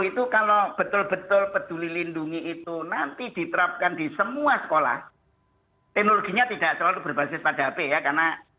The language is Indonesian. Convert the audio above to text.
itu kalau betul betul peduli lindungi itu nanti diterapkan di semua sekolah teknologinya tidak selalu berbasis pada hp ya karena